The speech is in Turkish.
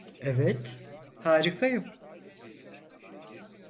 Evet, harikayım.